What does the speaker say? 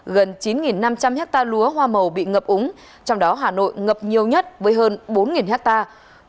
gần chín năm trăm linh hectare lúa hoa màu bị ngập úng trong đó hà nội ngập nhiều nhất với hơn bốn hectare